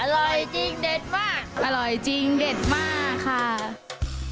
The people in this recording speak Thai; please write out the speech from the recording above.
อร่อยจริงเด็ดมากค่ะ